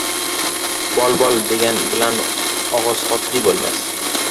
• Bol-bol degan bilan og‘iz totli bo‘lmas.